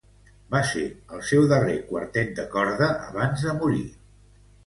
Va ser el seu darrer quartet de corda abans de morir.